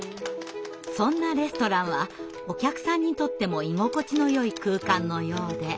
そんなレストランはお客さんにとっても居心地のよい空間のようで。